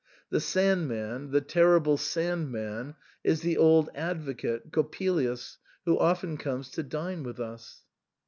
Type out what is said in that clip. The Sand man, the terrible Sand man, is the old advocate Coppelius who often comes to dine with us.